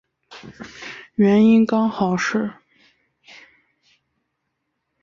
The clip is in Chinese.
原因刚好是